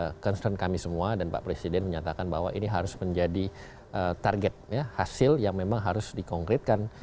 dan itu juga concern kami semua dan pak presiden menyatakan bahwa ini harus menjadi target hasil yang memang harus dikongritkan